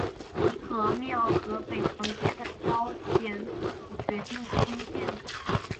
凝和庙和北长街的昭显庙决定兴建的。